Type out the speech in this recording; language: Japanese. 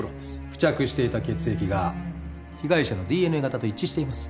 付着していた血液が被害者のＤＮＡ型と一致しています。